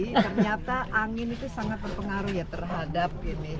ini ternyata angin itu sangat berpengaruh ya terhadap ini